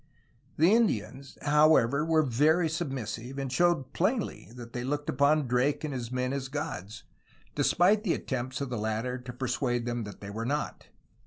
The Indians, however, were very submissive, and showed plainly that they looked upon Drake and his men as gods, despite the attempts of the latter to persuade them that they were not.